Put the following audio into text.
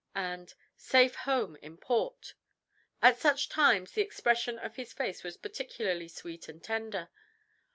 and "Safe home in port." At such times the expression of his face was particularly sweet and tender.